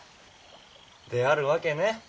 であるわけね。